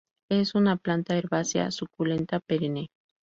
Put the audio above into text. Es una planta herbácea suculenta perenne.